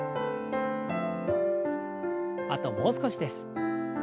あともう少しです。